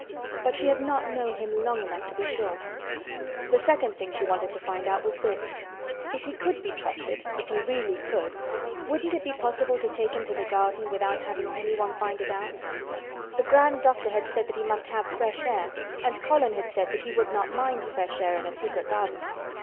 But she had not known him long enough to be sure. The second thing she wanted to find out was this: If he could be trusted—if he really could—wouldn't it be possible to take him to the garden without having anyone find it out? The grand doctor had said that he must have fresh air and Colin had said that he would not mind fresh air in a secret garden.